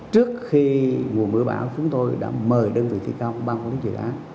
trước khi mùa mưa bão chúng tôi đã mời đơn vị thi công bang quốc lộ dự án